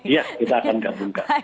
ya kita akan gabungkan